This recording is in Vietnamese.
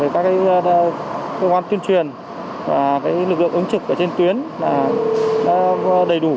các công an chuyên truyền và lực lượng ứng trực trên tuyến đã đầy đủ